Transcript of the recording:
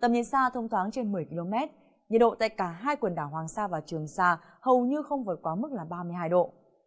tầm nhìn xa thông thoáng trên một mươi km nhiệt độ tại cả hai quần đảo hoàng sa và trường sa hầu như không vượt quá mức là ba mươi hai độ